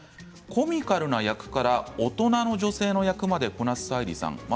コミカルな役から大人の女性の役までこなす沙莉さん。